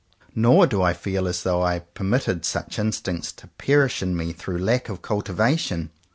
Nor do I feel as though I had per mitted such instincts to perish in me through lack of cultivation.